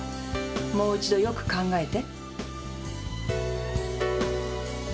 もう一度よく考えて。